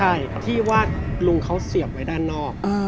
ใช่ที่ว่าลุงเขาเสียบไว้ด้านนอก